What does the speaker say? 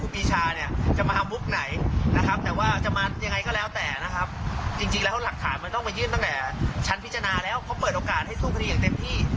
พิจารณาแล้วเขาเปิดโอกาสให้สู้คดีอย่างเต็มที่